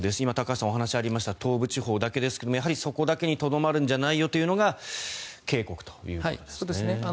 今、高橋さんのお話にありました東部地方だけではなくやはりそこだけにとどまるんじゃないよというのが警告ということですね。